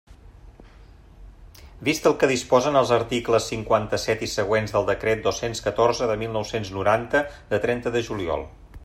Vist el que disposen els articles cinquanta-set i següents del Decret dos-cents catorze de mil nou-cents noranta, de trenta de juliol.